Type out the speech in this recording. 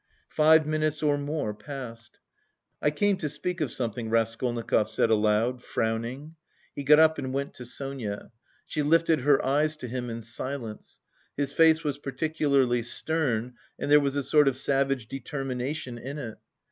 Five minutes or more passed. "I came to speak of something," Raskolnikov said aloud, frowning. He got up and went to Sonia. She lifted her eyes to him in silence. His face was particularly stern and there was a sort of savage determination in it.